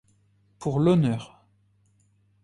Pour l'honneur.